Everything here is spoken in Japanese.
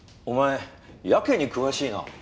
お前やけに詳しいな。